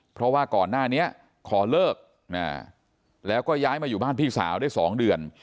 เพราะว่าก่อนหน้านี้ขอเลิกแล้วก็ย้ายมาอยู่บ้านพี่สาวได้๒เดือน